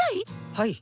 はい。